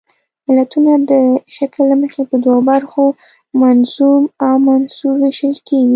متلونه د شکل له مخې په دوو برخو منظوم او منثور ویشل کیږي